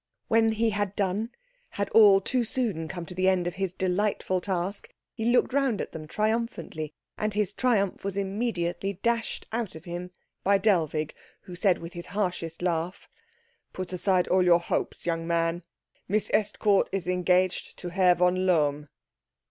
When he had done, had all too soon come to the end of his delightful task, he looked round at them triumphantly; and his triumph was immediately dashed out of him by Dellwig, who said with his harshest laugh, "Put aside all your hopes, young man Miss Estcourt is engaged to Herr von Lohm."